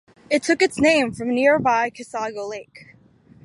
It took its name from nearby Chisago Lake.